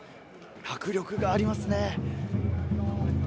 迫力がありますね。